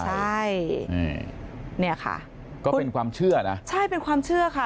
ใช่เนี่ยค่ะก็เป็นความเชื่อนะใช่เป็นความเชื่อค่ะ